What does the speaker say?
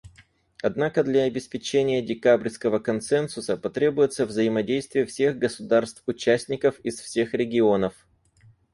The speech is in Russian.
Однако для обеспечения декабрьского консенсуса потребуется взаимодействие всех государств-участников из всех регионов.